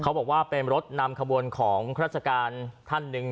เขาบอกว่าเป็นรถนำขบวนของราชการท่านหนึ่ง